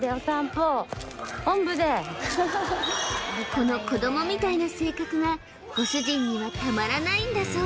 この子どもみたいな性格がご主人にはたまらないんだそう